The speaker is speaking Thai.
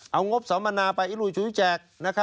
เอางบสมนาไปอิรุชุแจก